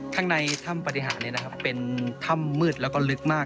ทั้งในถ้ำปฏิหารนี้นะครับเป็นถ้ำมืดและก็ลึกมาก